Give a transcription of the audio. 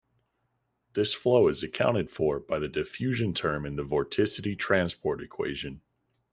This flow is accounted for by the diffusion term in the vorticity transport equation.